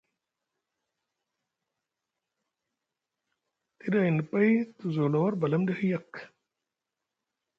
Tiɗi ayni pay te zula war balamɗi hiyak.